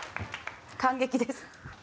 感激です。